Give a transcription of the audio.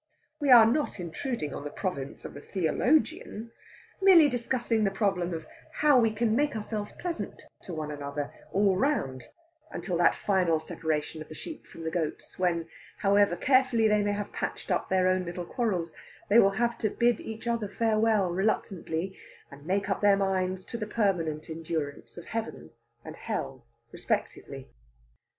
We are not intruding on the province of the Theologian merely discussing the problem of how we can make ourselves pleasant to one another all round, until that final separation of the sheep from the goats, when, however carefully they may have patched up their own little quarrels, they will have to bid each other farewell reluctantly, and make up their minds to the permanent endurance of Heaven and Hell respectively.